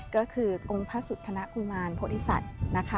ก็คือองค์พระสุทธนธุมานย์พฤษัทรรพ์